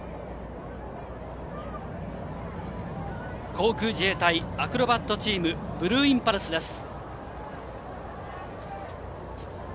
航空自衛隊アクロバットチームブルーインパルスです。